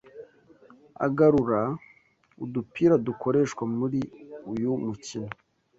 agarura udupira dukoreshwa muri uyu mukino